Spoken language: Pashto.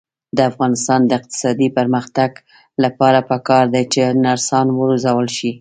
د افغانستان د اقتصادي پرمختګ لپاره پکار ده چې نرسان وروزل شي.